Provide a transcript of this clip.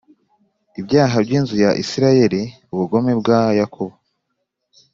Ibyaha By Inzu Ya Isirayeli Ubugome Bwa Yakobo